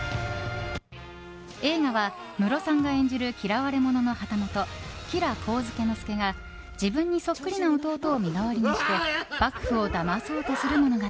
映画はムロさんが演じる嫌われ者の旗本・吉良上野介が自分にそっくりな弟を身代わりにして幕府をだまそうとする物語。